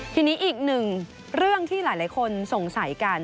ทีนี้อีกหนึ่งเรื่องที่หลายคนสงสัยกัน